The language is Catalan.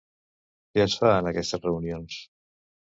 Què es fa en aquestes reunions?